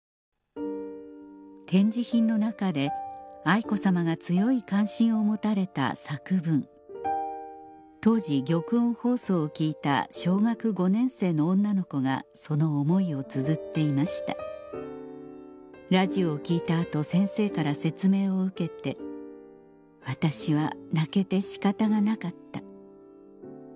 展示品の中で愛子さまが強い関心を持たれた作文当時玉音放送を聞いた小学５年生の女の子がその思いをつづっていました「ラヂオを聞いた後先生から説明を受けて私は泣けて仕方がなかった」